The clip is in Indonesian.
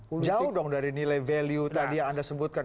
itu dari nilai value yang anda sebutkan